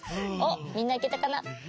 おっみんないけたかな？